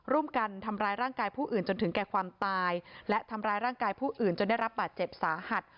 ร่วมกันทำร้ายร่างกายผู้อื่นจนถึงแก่ความตายและทำร้ายร่างกายผู้อื่นจนได้รับบาดเจ็บสาหัส